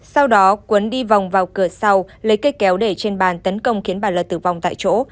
sau đó quấn đi vòng vào cửa sau lấy cây kéo để trên bàn tấn công khiến bà lợi tử vong tại chỗ